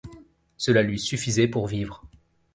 Cela lui suffisait pour vivre.